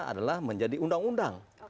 adalah menjadi undang undang